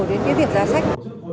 đến cái việc giá sách